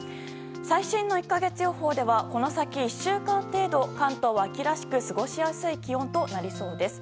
最新の１か月予報ではこの先、１週間程度関東は秋らしく過ごしやすい気温となりそうです。